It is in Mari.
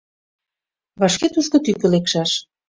Вашке тушто тӱкӧ лекшаш.